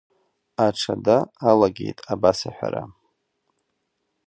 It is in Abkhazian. Аҽада алагеит абас аҳәара…